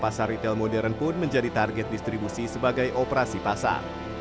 pasar retail modern pun menjadi target distribusi sebagai operasi pasar